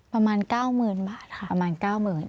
ประมาณ๙๐๐๐บาทค่ะประมาณ๙๐๐บาท